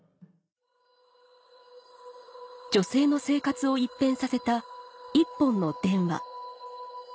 女性の生活を一変させた一本の電話